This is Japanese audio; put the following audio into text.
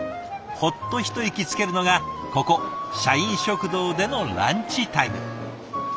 ほっと一息つけるのがここ社員食堂でのランチタイム。